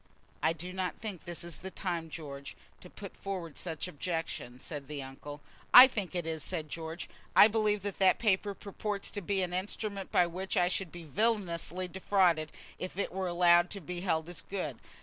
"I do not think this is the time, George, to put forward such objections," said the uncle. "I think it is," said George. "I believe that that paper purports to be an instrument by which I should be villanously defrauded if it were allowed to be held as good.